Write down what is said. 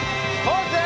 ポーズ！